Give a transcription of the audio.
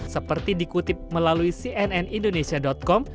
seperti dikutip melalui cnnindonesia com